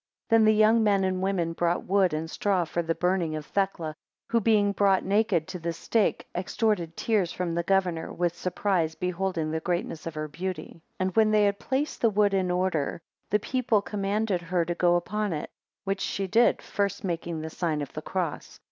13 Then the young men and women brought wood and straw for the burning of Thecla; who being brought naked to the stake, extorted tears from the governor, with surprise beholding the greatness of her beauty. 14 And when they had placed the wood in order, the people commanded her to go upon it; which she did, first making the sign of the cross.